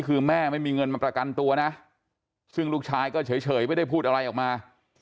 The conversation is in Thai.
คือแม่ไม่มีเงินมาประกันตัวนะซึ่งลูกชายก็เฉยไม่ได้พูดอะไรออกมา